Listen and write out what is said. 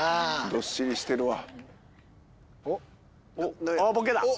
どっしりしてるわ。